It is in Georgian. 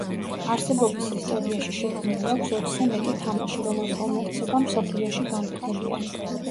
არსებობის ისტორიაში შექმნილი აქვს ოცზე მეტი თამაში, რომელთა უმეტესობა მსოფლიოში განთქმულია.